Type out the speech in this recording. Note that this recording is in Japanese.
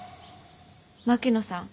槙野さん